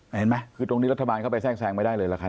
เห็นไหมคือตรงนี้รัฐบาลเข้าไปแทรกไม่ได้เลยหรือคะ